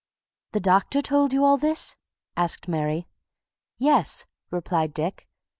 "The doctor told you all this?" asked Mary. "Yes," replied Dick.